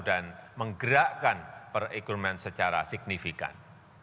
dan menggerakkan perekonomian secara signifikan